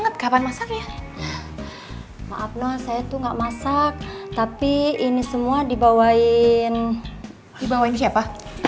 tapi ini semua dibawain dibawain siapa